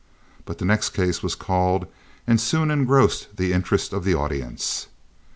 But the next case was called and soon engrossed the interest of the audience.